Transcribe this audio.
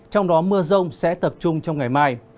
trong đó mưa rông sẽ tập trung trong ngày mai